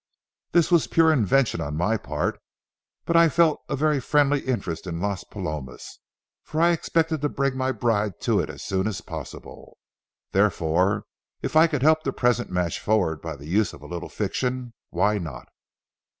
This was pure invention on my part, but I felt a very friendly interest in Las Palomas, for I expected to bring my bride to it as soon as possible. Therefore, if I could help the present match forward by the use of a little fiction, why not?